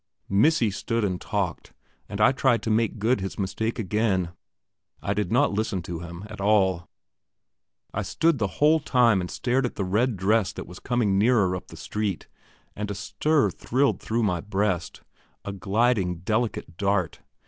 "Missy" stood and talked, and tried to make good his mistake again. I did not listen to him at all; I stood the whole time and stared at the red dress that was coming nearer up the street, and a stir thrilled through my breast, a gliding delicate dart.